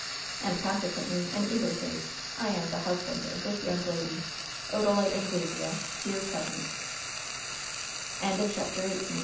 And, conse quently, in either case, I am the husband of this young lady, Odalite Anglesea, here present'' CHAPTER XIX A